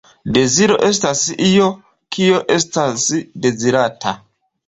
Deziro estas io, kio estas dezirata.